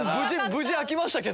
無事開きましたけど。